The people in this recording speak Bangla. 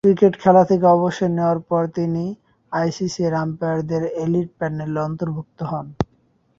ক্রিকেট খেলা থেকে অবসর নেয়ার পর তিনি আইসিসির আম্পায়ারদের এলিট প্যানেলে অন্তর্ভুক্ত হন।